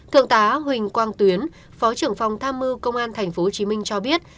thượng tá huỳnh quang tuyến phó trưởng phòng tham mưu công an tp hcm cho biết